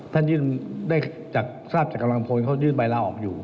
ท่านยื่นได้จากทราบจากกำลังพลเขายื่นใบลาออกอยู่